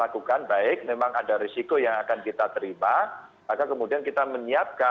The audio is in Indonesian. kita akan lakukan